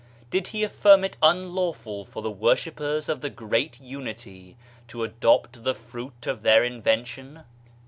Did he affirm it unlawful for the worshippers of the great Unity to adopt the fruit of their inven tion?